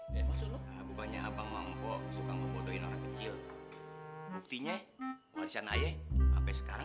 sekali bukannya abang abang bobo bobo kecil kecilnya warisan ayah sampai sekarang